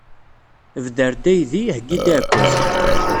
Bder-d aydi, heyyi-d aɛekkaz.